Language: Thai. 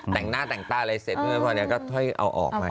แต่งหน้าแต่งตาอะไรเสร็จพอนี้ก็ค่อยเอาออกมา